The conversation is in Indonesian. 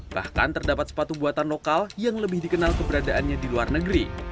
bahkan terdapat sepatu buatan lokal yang lebih dikenal keberadaannya di luar negeri